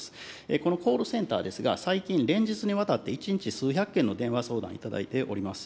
このコールセンターですが、最近、連日にわたって１日数百件の電話相談いただいております。